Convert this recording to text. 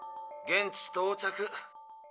現地到着。